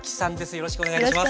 よろしくお願いします。